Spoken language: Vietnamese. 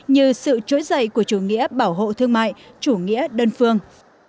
như sự trỗi dậy của chủ nghĩa bảo hộ thương mại chủ nghĩa đơn phương